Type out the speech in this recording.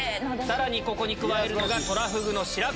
さらにここに加えるのが。